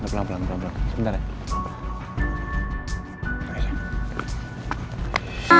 pelan pelan pelan pelan sebentar ya